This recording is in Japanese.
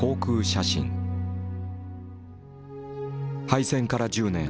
敗戦から１０年。